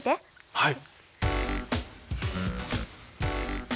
はい。